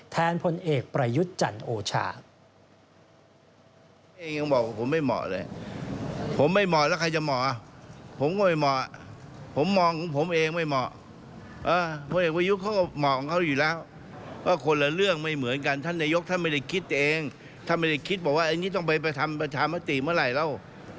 พลเอกประยุทธ์จันทร์โอชา